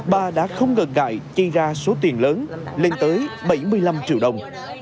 bà đã không ngợt ngại chây ra số tiền lớn lên tới bảy mươi năm triệu đồng